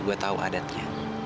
gue tau adatnya